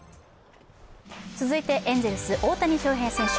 続いてエンゼルス・大谷翔平選手